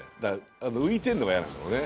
浮いてるのが嫌なんだろうね。